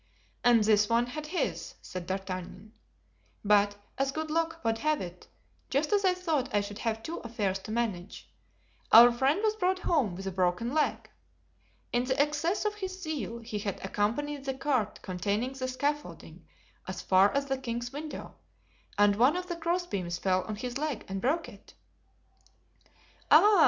"And this one had his," said D'Artagnan; "but, as good luck would have it, just as I thought I should have two affairs to manage, our friend was brought home with a broken leg. In the excess of his zeal he had accompanied the cart containing the scaffolding as far as the king's window, and one of the crossbeams fell on his leg and broke it." "Ah!"